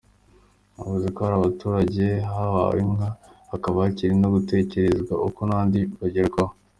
Yavuze ko hari abaturage bahawe inka, hakaba hakiri no gutekerezwa uko n’abandi bagerwaho.